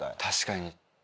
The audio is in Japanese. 確かに。